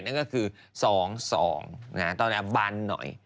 นั่นก็คือ๒๒ตอนนั้นบันหน่อย